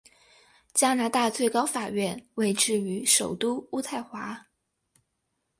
加拿大最高法院位置于首都渥太华。